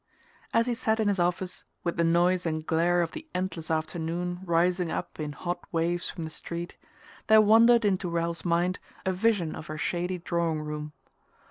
As he sat in his office, with the noise and glare of the endless afternoon rising up in hot waves from the street, there wandered into Ralph's mind a vision of her shady drawing room.